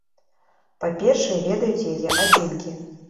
Па-першае, ведаюць яе адзінкі.